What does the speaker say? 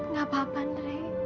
gak apa apa yandere